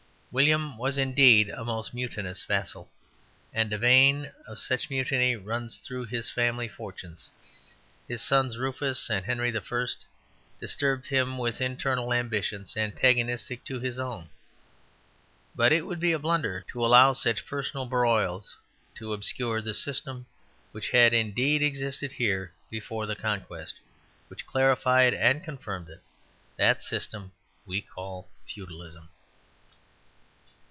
William was indeed a most mutinous vassal, and a vein of such mutiny runs through his family fortunes: his sons Rufus and Henry I. disturbed him with internal ambitions antagonistic to his own. But it would be a blunder to allow such personal broils to obscure the system, which had indeed existed here before the Conquest, which clarified and confirmed it. That system we call Feudalism.